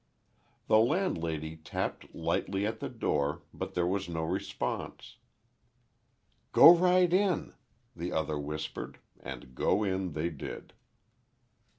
The landlady tapped lightly at the door, but there was no response. "Go right in," the other whispered, and go in they did.